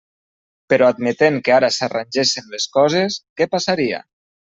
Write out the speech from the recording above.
Però admetent que ara s'arrangessen les coses, ¿què passaria?